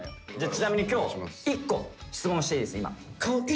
ちなみに今日１個質問していいです今。